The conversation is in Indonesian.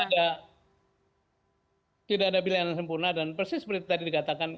jadi tidak ada tidak ada pilihan yang sempurna dan persis seperti tadi dikatakan